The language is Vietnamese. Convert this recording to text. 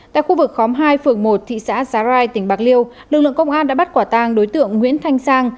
tại khu vực khóm hai phường một thị xã giá rai tỉnh bạc liêu lực lượng công an đã bắt quả tang đối tượng nguyễn thanh sang